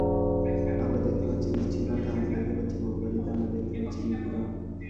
আমার দেখতে পাচ্ছি বিচ্ছিন্নতা, আমরা দেখতে পাচ্ছি ভোগবাদিতা, আমরা দেখতে পাচ্ছি নিপীড়ন।